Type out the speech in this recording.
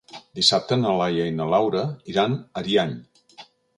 Dissabte na Laia i na Laura iran a Ariany.